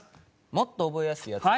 もっと覚えやすいやつ？